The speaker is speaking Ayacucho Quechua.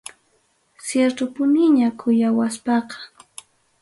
Ciertupuniña kuyawaspaqa.